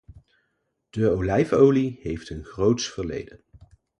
De olijfolie heeft een groots verleden.